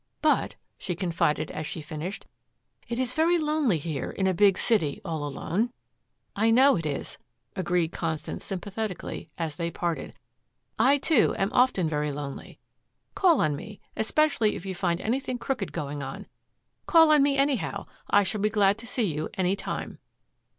"But," she confided as she finished, "it is very lonely here in a big city all alone." "I know it is," agreed Constance sympathetically as they parted. "I, too, am often very lonely. Call on me, especially if you find anything crooked going on. Call on me, anyhow. I shall be glad to see you any time."